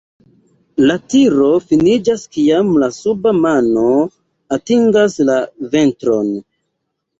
La tiro finiĝas kiam la suba mano atingas la ventron.